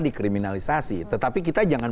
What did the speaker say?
dikriminalisasi tetapi kita jangan